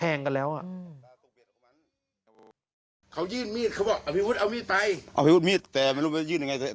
เอาพี่วุฒิมีดแต่ไม่รู้มันยื่นยังไง